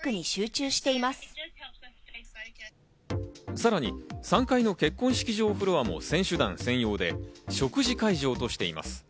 さらに３階の結婚式場フロアも選手団専用で食事会場としています。